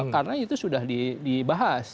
karena itu sudah dibahas